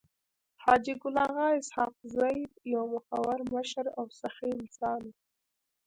حاجي ګل اغا اسحق زی يو مخور مشر او سخي انسان وو.